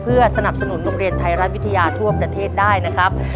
เพื่อสนับสนุนโรงเรียนไทยรัฐวิทยาทั่วประเทศได้นะครับ